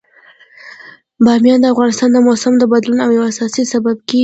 بامیان د افغانستان د موسم د بدلون یو اساسي سبب کېږي.